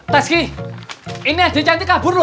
tansky ini ade cantik kabur loh